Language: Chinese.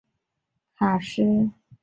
卡斯蒂隆。